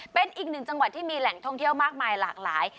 เป็นอีกหนึ่งจังหวัดที่มีแหล่งท่องเที่ยวมากมายหลากหลาย